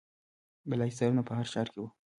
بالاحصارونه په هر ښار کې وو